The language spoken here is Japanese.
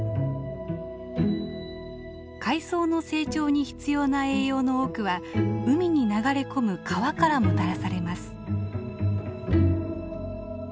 海藻の成長に必要な栄養の多くは海に流れ込む川からもたらされます。